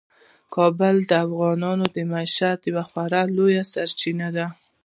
کابل د افغانانو د معیشت یوه خورا لویه سرچینه ده.